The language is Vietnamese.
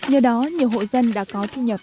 do đó nhiều hội dân đã có thu nhập